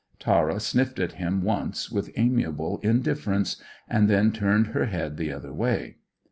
Tara sniffed at him once with amiable indifference, and then turned her head the other way.